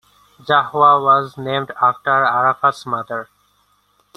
Zahwa was named after Arafat's mother.